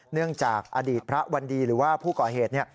เนื่องจากอดีตพระวันดีหรือว่าผู้ก่อเหตุ